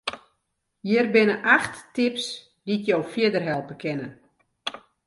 Hjir binne acht tips dy't jo fierder helpe kinne.